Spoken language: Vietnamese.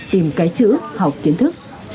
tìm cái chữ học kiến thức